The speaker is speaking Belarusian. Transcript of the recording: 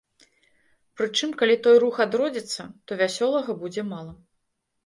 Прычым, калі той рух адродзіцца, то вясёлага будзе мала.